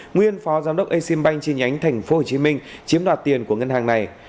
nguyên phó giám đốc exim bank chi nhánh tp hcm chiếm đoạt tiền của ngân hàng này